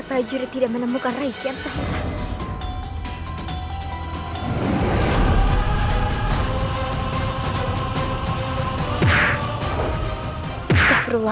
kau tidak akan bisa lolos